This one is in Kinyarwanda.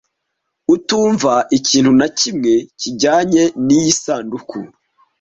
utumva ikintu na kimwe kijyanye n'iyi sanduku